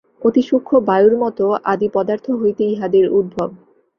অতি সূক্ষ্ম বায়ুর মত আদি পদার্থ হইতে ইহাদের উদ্ভব।